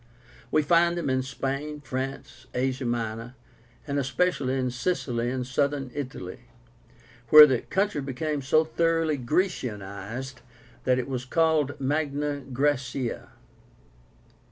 We find them in Spain, France, Asia Minor, and especially in Sicily and Southern Italy, where the country became so thoroughly Grecianized that it was called MAGNA GRAECIA.